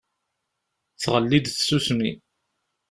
Tɣelli-d tsusmi.